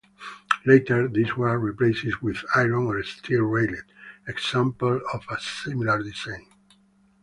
Later these were replaced with iron or steel railed examples of a similar design.